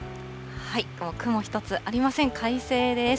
雲一つありません、快晴です。